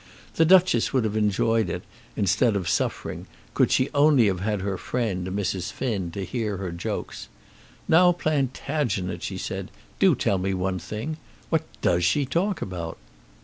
The Duchess would have enjoyed it, instead of suffering, could she only have had her friend, Mrs. Finn, to hear her jokes. "Now, Plantagenet," she said, "do tell me one thing. What does she talk about?"